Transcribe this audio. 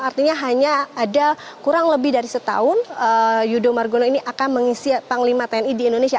artinya hanya ada kurang lebih dari setahun yudho margono ini akan mengisi panglima tni di indonesia